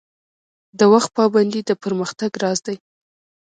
د وخت پابندي د پرمختګ راز دی